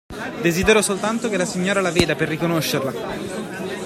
Desidero soltanto che la signora la veda, per riconoscerla.